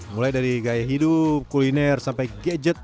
mulai dari gaya hidup kuliner sampai gadget